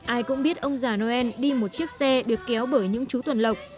ai cũng biết ông già noel đi một chiếc xe được kéo bởi những chú tuần lộc